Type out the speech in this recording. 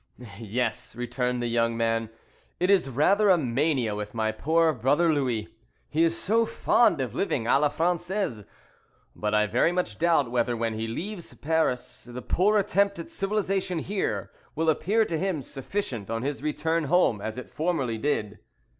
"Yes," returned the young man, "it is rather a mania with my poor brother Louis; he is so fond of living à la Française; but I very much doubt whether, when he leaves Paris, the poor attempt at civilization here will appear to him sufficient on his return home as it formerly did."